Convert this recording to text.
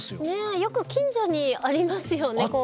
ねえよく近所にありますよね。